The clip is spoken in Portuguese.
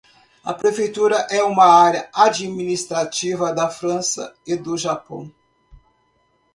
A prefeitura é uma área administrativa da França e do Japão.